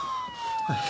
はい。